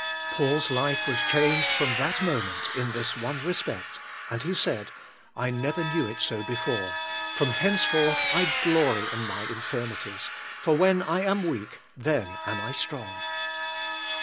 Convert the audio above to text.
Paul's life was changed from that moment in this one respect, and he said, "I never knew it so before, from henceforth I glory in my infirmities; for when I am weak, then am I strong."